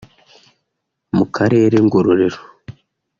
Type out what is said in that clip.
mu karere Ngororero